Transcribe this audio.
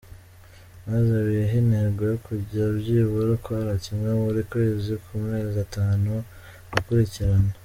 Maze wihe intego yo kujya byibura ukora kimwe buri kwezi ku mezi atanu akurikirana.